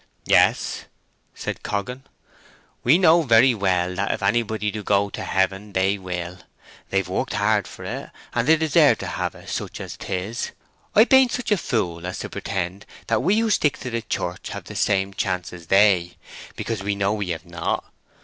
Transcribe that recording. "Yes," said Coggan. "We know very well that if anybody do go to heaven, they will. They've worked hard for it, and they deserve to have it, such as 'tis. I bain't such a fool as to pretend that we who stick to the Church have the same chance as they, because we know we have not.